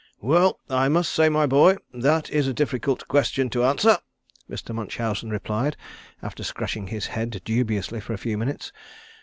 "Well, I must say, my boy, that is a difficult question to answer," Mr. Munchausen replied after scratching his head dubiously for a few minutes.